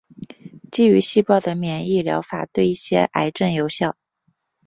基于细胞的免疫疗法对一些癌症有效。